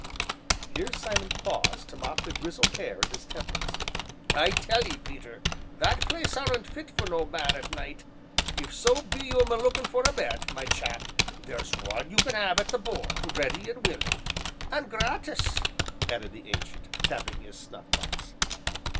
Here Simon paused to mop the grizzled hair at his temples. "I tell 'ee, Peter, that place aren't fit for no man at night. If so be you'm lookin' for a bed, my chap, theer's one you can 'ave at 'The Bull,' ready and willin'." "An' gratus!" added the Ancient, tapping his snuffbox.